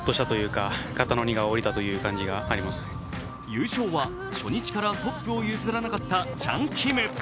優勝は初日からトップを譲らなかったチャン・キム。